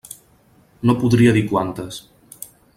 No podria dir quantes.